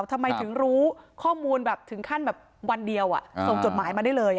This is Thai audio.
ทำไมถึงรู้ข้อมูลแบบถึงขั้นแบบวันเดียวส่งจดหมายมาได้เลย